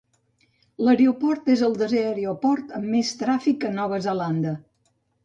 L'aeroport és el desè aeroport amb més tràfic a Nova Zelanda.